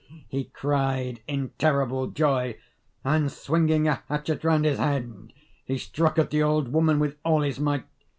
he cried, in terrible joy; and, swinging a hatchet round his head, he struck at the old woman with all his might.